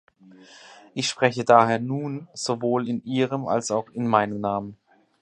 Ich spreche daher nun sowohl in ihrem als auch in meinem Namen.